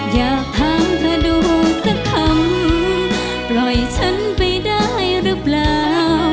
อยากถามเธอดูสักคำปล่อยฉันไปได้หรือเปล่า